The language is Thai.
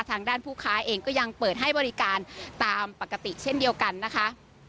ทางด้านผู้ค้าเองก็ยังเปิดให้บริการตามปกติเช่นเดียวกันนะคะ